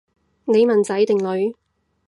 你問仔定女？